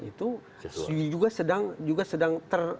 itu juga sedang